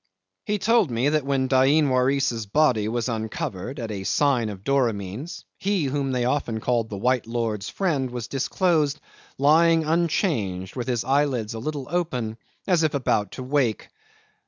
He told me that when Dain Waris's body was uncovered at a sign of Doramin's, he whom they often called the white lord's friend was disclosed lying unchanged with his eyelids a little open as if about to wake.